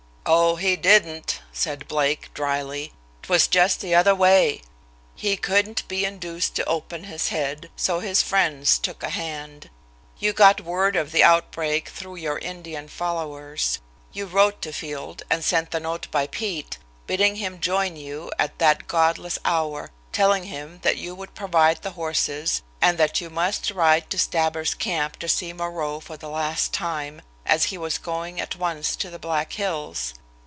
"Oh, he didn't," said Blake, drily. "'Twas just the other way. He couldn't be induced to open his head, so his friends took a hand. You got word of the outbreak through your Indian followers. You wrote to Field and sent the note by Pete, bidding him join you at that godless hour, telling him that you would provide the horses and that you must ride to Stabber's camp to see Moreau for the last time, as he was going at once to the Black Hills.